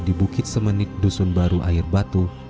di bukit semenit dusun baru air batu